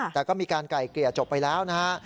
แต่ก็มีการไก่เกลี่ยจบไปแล้วนะฮะ